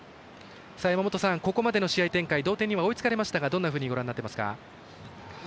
ここまでの試合展開同点には追いつかれましたがどういうふうにご覧になっていますか？